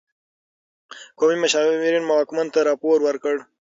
قومي مشاورین واکمن ته راپور ورکړ.